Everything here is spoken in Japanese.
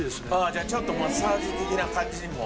じゃあちょっとマッサージ的な感じにも。